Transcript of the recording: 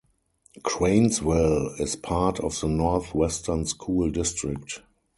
Cranesville is part of the Northwestern School District.